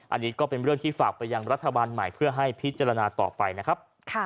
อันนี้ก็เป็นเรื่องที่ฝากไปยังรัฐบาลใหม่เพื่อให้พิจารณาต่อไปนะครับ